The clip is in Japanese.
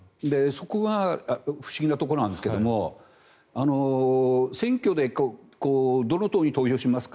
そこが不思議なところなんですが選挙でどの党に投票しますか？